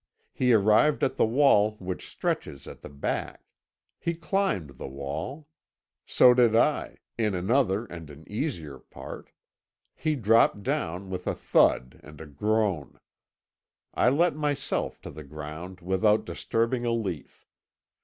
He arrived at the wall which stretches at the back; he climbed the wall; so did I, in another and an easier part; he dropped down with a thud and a groan; I let myself to the ground without disturbing a leaf.